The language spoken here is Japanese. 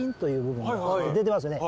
出てますね